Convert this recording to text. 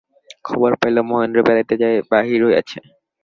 খবর পাইল, মহেন্দ্র বেড়াইতে বাহির হইয়াছে।